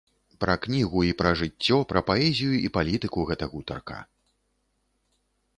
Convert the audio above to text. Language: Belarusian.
Пра кнігу і пра жыццё, пра паэзію і палітыку гэта гутарка.